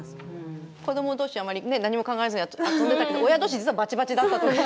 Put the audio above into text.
子ども同士はあんまりね何も考えずに遊んでたけど親同士実はバチバチだったとか。